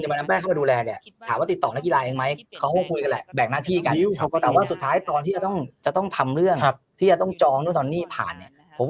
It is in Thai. แบบหน้าที่กับว่าสุดท้ายตรงที่จะต้องจะต้องทำเรื่องครับที่จะต้องจ้อนุติภาพ